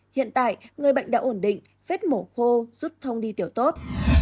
hiện tại người bệnh đã ổn định vết mổ khô rút thông đi tiểu tốt